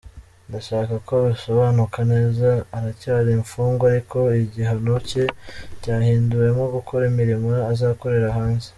Ndashaka ko bisobanuka neza, aracyari imfungwa ariko igihano cye cyahinduwemo gukora imirimo azakorera hanze.”